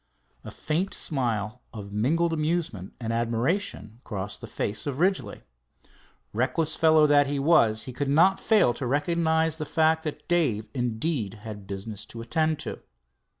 A faint smile of mingled amusement and admiration crossed the face of Ridgely. Reckless fellow that he was, he could not fail to recognize the fact that Dave, indeed, had business to attend to.